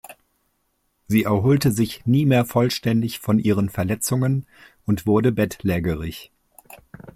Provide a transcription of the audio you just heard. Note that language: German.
Sie erholte sich nie mehr vollständig von ihren Verletzungen und wurde bettlägerig.